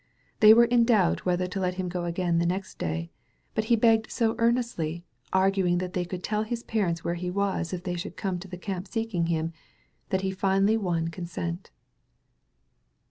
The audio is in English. They were in doubt whether to let him go again the next day; but he begged so earnestly, arguing that they could tell his parents where he was if they should come to the camp seeking him, that finally he won con sent.